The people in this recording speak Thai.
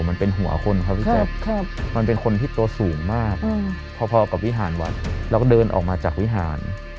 มันเป็นหัวข้นครับพี่แจ็คมันเป็นคนพิตรโตสูงมากเพราะพอกับวิทยาลวัศตร์